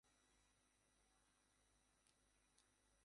সেলাম করিয়া হাস্যমুখে নীরবে দাঁড়াইয়া রহিল।